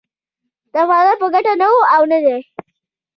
د افغانانو په ګټه نه و او نه دی